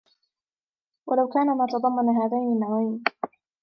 وَلَوْ كَانَ مَا تَضَمَّنَ هَذَيْنِ النَّوْعَيْنِ